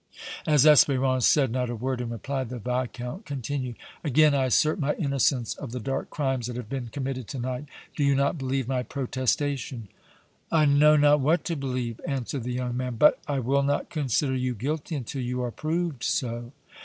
As Espérance said not a word in reply, the Viscount continued: "Again I assert my innocence of the dark crimes that have been committed to night! Do you not believe my protestation?" "I know not what to believe," answered the young man. "But I will not consider you guilty until you are proved so."